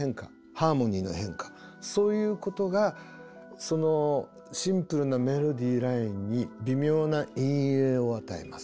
ハーモニーの変化そういうことがそのシンプルなメロディーラインに微妙な陰影を与えます。